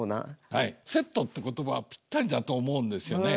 はいセットって言葉がぴったりだと思うんですよね。